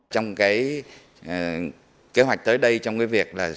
trong cái kế hoạch tới đây trong cái việc là